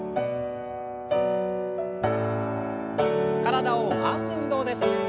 体を回す運動です。